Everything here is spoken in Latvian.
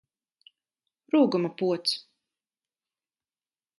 Rūguma pods!